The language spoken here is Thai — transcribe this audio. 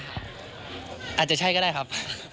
อาจจะใช่ก็ได้ครับ